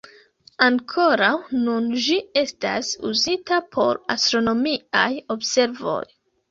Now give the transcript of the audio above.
Ankoraŭ nun ĝi estas uzita por astronomiaj observoj.